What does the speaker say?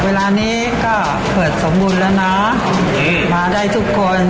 เวลานี้ก็เปิดสมบูรณ์แล้วนะมาได้ทุกคน